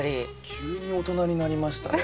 急に大人になりましたね。